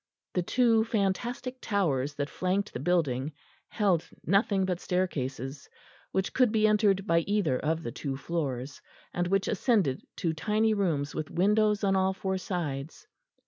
The two fantastic towers that flanked the building held nothing but staircases, which could be entered by either of the two floors, and which ascended to tiny rooms with windows on all four sides.